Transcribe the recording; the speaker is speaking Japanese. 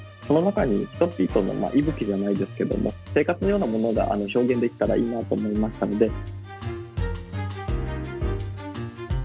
その中に人々の息吹じゃないですけども生活のようなものが表現できたらいいなと思いましたので。